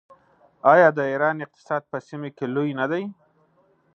آیا د ایران اقتصاد په سیمه کې لوی نه دی؟